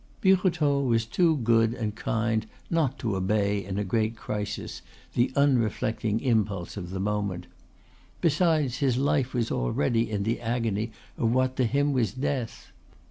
Birotteau was too good and kind not to obey in a great crisis the unreflecting impulse of the moment. Besides, his life was already in the agony of what to him was death.